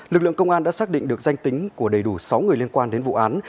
lực lượng công an đã xác định được danh tính của đầy đủ sáu người liên quan đến vụ án